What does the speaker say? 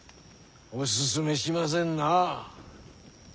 お勧めしませんな。